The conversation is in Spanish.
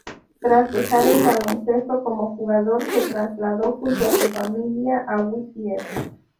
Tras dejar el baloncesto como jugador, se trasladó junto a su familia a Whittier.